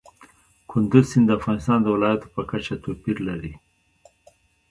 کندز سیند د افغانستان د ولایاتو په کچه توپیر لري.